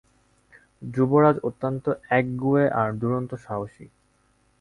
যুবরাজ অত্যন্ত একগুঁয়ে আর দুরন্ত সাহসী।